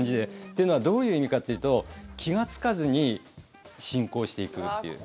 というのはどういう意味かというと気がつかずに進行していくという。